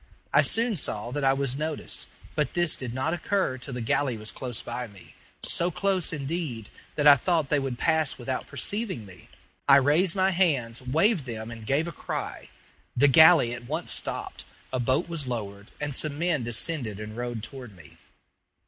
I soon saw that I was noticed, but this did not occur till the galley was close by me so close, indeed, that I thought they would pass without perceiving me. I raised my hands, waved them, and gave a cry. The galley at once stopped, a boat was lowered, and some men descended and rowed toward me.